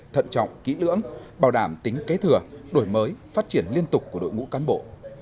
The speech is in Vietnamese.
thận trọng kỹ lưỡng bảo đảm tính kế thừa đổi mới phát triển liên tục của đội ngũ cán bộ